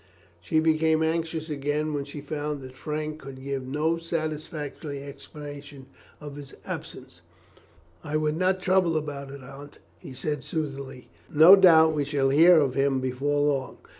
She became anxious again when she found that Frank could give no satisfactory explanation of his long absence. "I would not trouble about it, Aunt," he said, soothingly; "no doubt we shall hear of him before long.